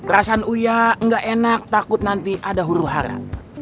rasanya uyak nggak enak takut nanti ada huru hara